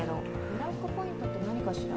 ブラックポイントって何かしら？